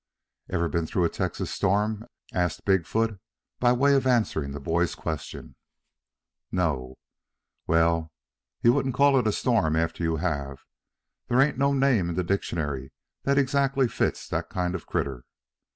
"Ever been through a Texas storm?" asked Big foot by way of answering the boy's question. "No." "Well, you won't call it a storm after you have. There ain't no name in the dictionary that exactly fits that kind of a critter.